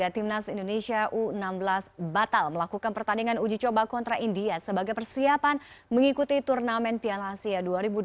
timnas indonesia u enam belas batal melakukan pertandingan uji coba kontra india sebagai persiapan mengikuti turnamen piala asia dua ribu delapan belas